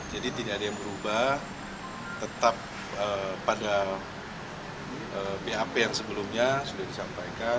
jadi tidak ada yang berubah tetap pada bap yang sebelumnya sudah disampaikan